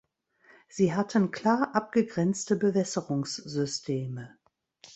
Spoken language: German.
Sie hatten klar abgegrenzte Bewässerungssysteme.